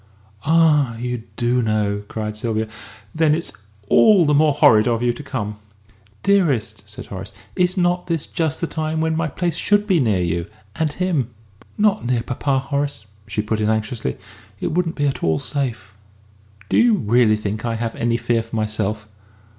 "Ah, you do know!" cried Sylvia. "Then it's all the more horrid of you to come!" "Dearest," said Horace, "is not this just the time when my place should be near you and him?" "Not near papa, Horace!" she put in anxiously; "it wouldn't be at all safe." "Do you really think I have any fear for myself?"